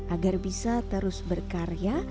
agar bisa terus berkarya